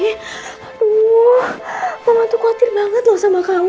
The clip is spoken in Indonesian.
aduh mama tuh khawatir banget loh sama kamu